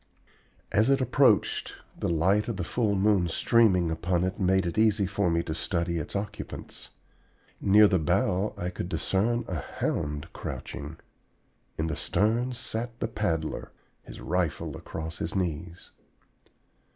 As it approached, the light of the full moon streaming upon it made it easy for me to study its occupants. Near the bow I could discern a hound crouching. In the stern sat the paddler, his rifle across his knees.